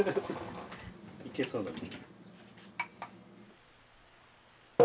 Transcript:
いけそうだね。